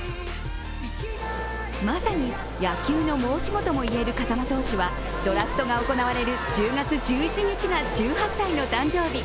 まさに野球の申し子ともいえる風間投手はドラフトが行われる１０月１１日が１８歳の誕生日。